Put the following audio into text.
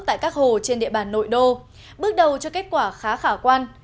tại các hồ trên địa bàn nội đô bước đầu cho kết quả khá khả quan